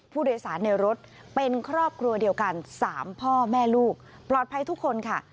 ผู้โดยสารในรถเป็นครอบครัวเดียวกัน๓พ่อแม่ลูกปลอดภัยทุกคนค่ะ